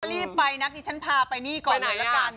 รีบไปนะดิฉันพาไปนี่ก่อนเลยละกัน